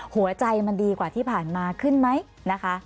หัวใจมันดีกว่าที่ผ่านมาขึ้นไหมนะคะ